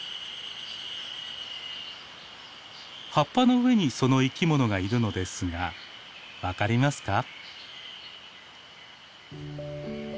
葉っぱの上にその生きものがいるのですが分かりますか？